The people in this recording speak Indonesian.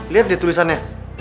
lihat deh tulisannya